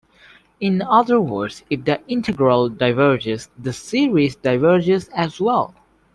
In other words, if the integral diverges, then the series diverges as well.